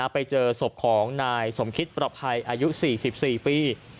ไปเจอศพของนายสมคิตประภัยอายุ๔๔ปี